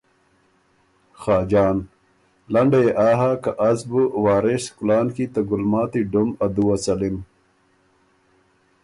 خاجان ـــ لنډه يې آ هۀ که از بُو وارث کُلان کی ته ګلماتی ډُم ا دُوّه څَلِم۔